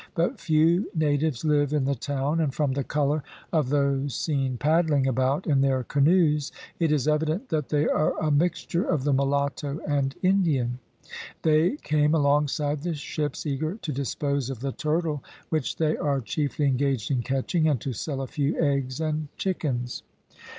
But few natives live in the town, and from the colour of those seen paddling about in their canoes, it is evident that they are a mixture of the mulatto and Indian. They came alongside the ships, eager to dispose of the turtle which they are chiefly engaged in catching, and to sell a few eggs and chickens.